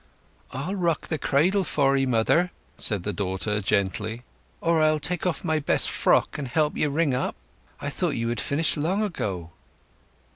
"I'll rock the cradle for 'ee, mother," said the daughter gently. "Or I'll take off my best frock and help you wring up? I thought you had finished long ago."